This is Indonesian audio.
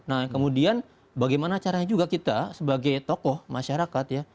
nah kemudian bagaimana caranya juga kita sebagai tokoh masyarakat ya